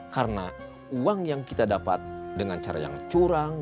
karena uang yang kita dapat dengan cara yang curang